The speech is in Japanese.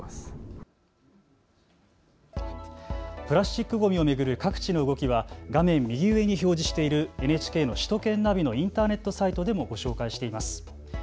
プラスチックごみを巡る各地の動きは画面右上に表示しているＮＨＫの首都圏ナビのインターネットサイトでもご紹介しています。